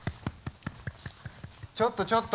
ちょっとちょっと！